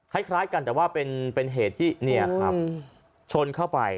ให้คล้ายกันแต่ว่าเป็นเหตุที่ชนเข้าไป